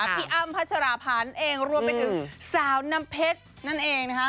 พี่อ้ำพัชราพันธ์เองรวมไปถึงสาวน้ำเพชรนั่นเองนะคะ